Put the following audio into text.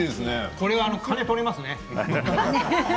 これは金、取れますね。